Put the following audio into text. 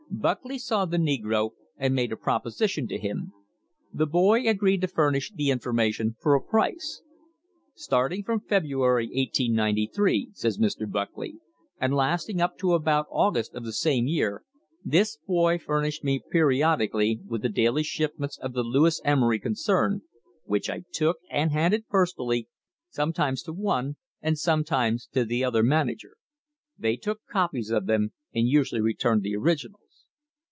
Buckley saw the negro and made a proposition to him. The boy agreed to furnish the information for a price. "Start ing from February, 1893," says Mr. Buckley, "and lasting up to about August of the same year, this boy furnished me peri odically with the daily shipments of the Lewis Emery con cern, which I took and handed personally, sometimes to one and sometimes to the other manager. They took copies of them, and usually returned the originals."